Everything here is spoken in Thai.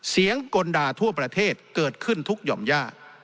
กลด่าทั่วประเทศเกิดขึ้นทุกหย่อมย่า